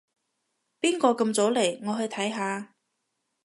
邊個咁早嚟？我去睇下